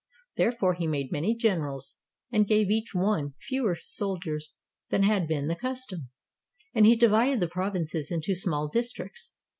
Therefore he made many generals and gave each one fewer soldiers than had been the custom ; and he divided the provinces into small districts.